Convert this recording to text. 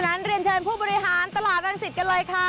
งั้นเรียนเชิญผู้บริหารตลาดรังสิตกันเลยค่ะ